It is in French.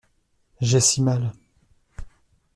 J'ai si mal.